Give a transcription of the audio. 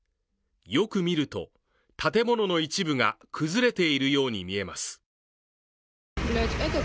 よく見ると、建物の一部が崩れているように見えます。